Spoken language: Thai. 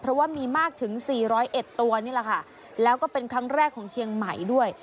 เพราะว่ามีมากถึงสี่ร้อยเอ็ดตัวนี่แหละค่ะแล้วก็เป็นครั้งแรกของเชียงใหม่ด้วย